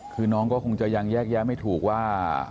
คือน้องก็คงจะยังแยกแยะไม่ถูกว่า